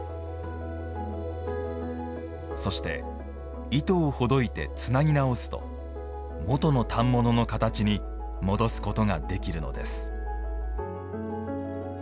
そして糸をほどいてつなぎ直すと元の反物の形に戻すことができるのです。